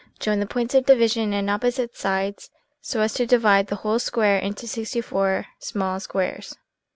Join the points of division in opposite sides so as to divide the whole square into 64 small squares.